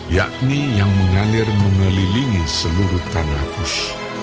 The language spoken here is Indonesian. yakni yang mengalir mengelilingi seluruh tanah kus